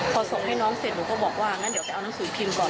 พอส่งให้น้องเสร็จหนูก็บอกว่างั้นเดี๋ยวไปเอานังสือพิมพ์ก่อน